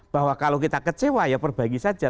bahwa kalau kita kecewa ya perbagi saja